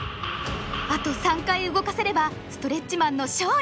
あと３回動かせればストレッチマンの勝利。